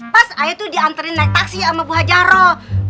pas ayah tuh dianterin naik taksi sama bu haja rodia